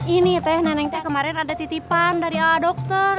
ini teh nenek teh kemarin ada titipan dari aa dokter